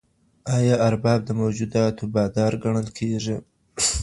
آيا ارباب د موجوداتو بادار ګڼل کيږي؟